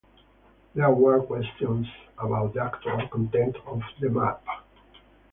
There were questions about the actual content of the map.